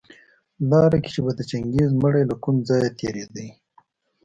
لاره کي چي به د چنګېز مړى له کوم ځايه تېرېدى